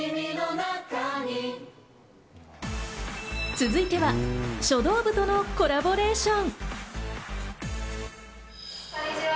続いては書道部とのコラボレーション。